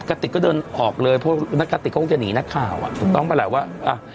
ติกก็เดินออกเลยเพราะนักกะติกเขาคงจะหนีนักข่าวอ่ะถูกต้องปะล่ะว่าอ่ะ